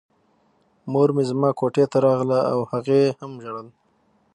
مور مې زما کوټې ته راغله او هغې هم ژړل